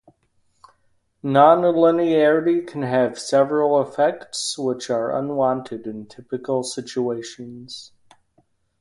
Nonlinearity can have several effects, which are unwanted in typical situations.